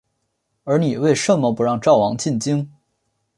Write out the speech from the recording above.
而你为甚么不让赵王进京？